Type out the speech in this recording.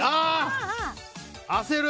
焦る！